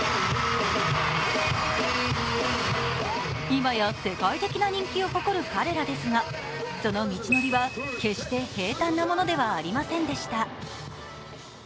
今や世界的な人気を誇る彼らですがその道のりは、決して平たんなものではありませんでした。